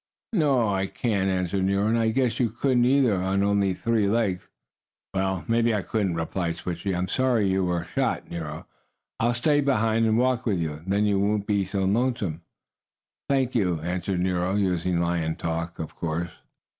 "No, I can't," answered Nero. "And I guess you couldn't either, on only three legs." "Well, maybe I couldn't," replied Switchie. "I'm sorry you were shot, Nero. I'll stay behind and walk with you. Then you won't be lonesome." "Thank you," answered Nero, using lion talk, of course.